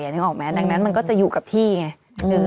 นึกออกไหมดังนั้นมันก็จะอยู่กับที่ไง